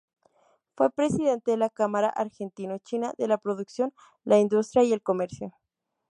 Fue presidente de la Cámara Argentino-China de la Producción, la Industria y el Comercio.